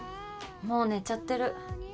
もう寝ちゃってる。